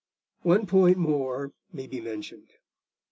One point more may be mentioned.